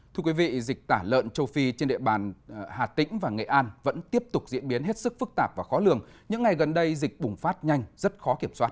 thưa quý vị dịch tả lợn châu phi trên địa bàn hà tĩnh và nghệ an vẫn tiếp tục diễn biến hết sức phức tạp và khó lường những ngày gần đây dịch bùng phát nhanh rất khó kiểm soát